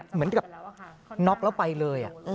เหมือนกับน็อกแล้วไปเลย